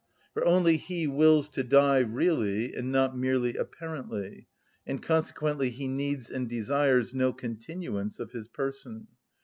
For only he wills to die really, and not merely apparently, and consequently he needs and desires no continuance of his person.